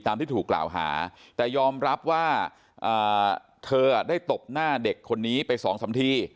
ที่ถูกกล่าวหาแต่ยอมรับว่าเธอได้ตบหน้าเด็กคนนี้ไปสองสามที